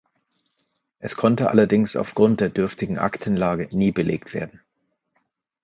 Es konnte allerdings aufgrund der dürftigen Aktenlage nie belegt werden.